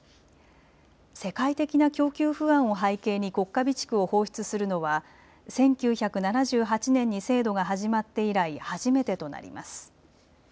世界的な供給不安を背景に国家備蓄を放出するのは１９７８年に制度が始まって以来、初めてとなります。